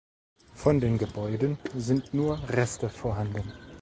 Von den Gebäuden sind nur Reste vorhanden.